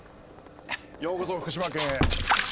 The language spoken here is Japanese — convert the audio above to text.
ようこそ福島県へ。